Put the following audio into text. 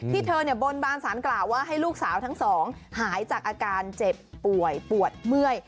เธอบนบานสารกล่าวว่าให้ลูกสาวทั้งสองหายจากอาการเจ็บป่วยปวดเมื่อย